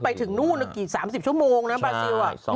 ไปถึงนู่นกี่๓๐ชั่วโมงนะบาซิล